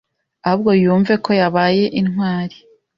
ahubwo yumve ko yabaye intwari